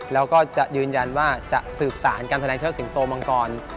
แล้วก็จะยืนยันว่าจะสืบสารการแสดงเชิดสิงโตมังกร